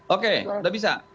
oke udah bisa